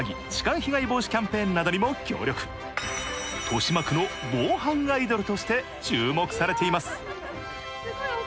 豊島区の防犯アイドルとして注目されています。